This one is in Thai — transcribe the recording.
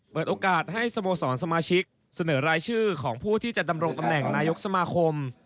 เปิดโอกาสให้สโมสรสมาชิกเสนอรายชื่อของผู้ที่จะดำรงตำแหน่งนายกสมาคม